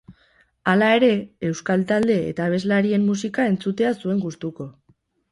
Hala ere, euskal talde eta abeslarien musika entzutea zuen gustuko.